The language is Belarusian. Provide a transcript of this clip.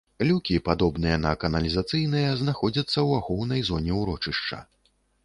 Люкі, падобныя на каналізацыйныя, знаходзяцца ў ахоўнай зоне ўрочышча.